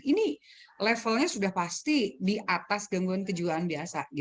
ini levelnya sudah pasti di atas gangguan kejiwaan biasa